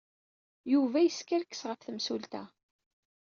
Yuba yeskerkes ɣef temsulta.